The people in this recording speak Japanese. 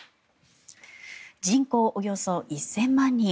人口およそ１０００万人。